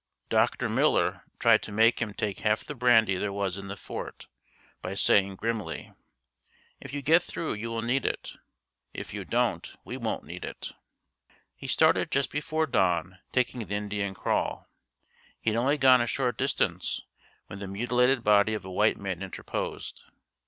Dr. Miller tried to make him take half the brandy there was in the fort, by saying grimly, "If you get through you will need it. If you don't we won't need it." He started just before dawn taking the Indian crawl. He had only gone a short distance when the mutilated body of a white man interposed.